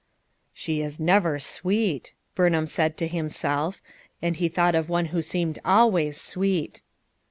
"She is never sweet," Burnham said to him self; and he thought of one who seemed always sweet.